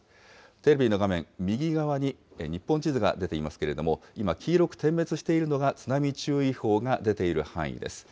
テレビの画面、右側に日本地図が出ていますけれども、今、黄色く点滅しているのが、津波注意報が出ている範囲です。